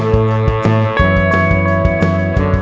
jangan jangan jangan